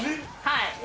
はい。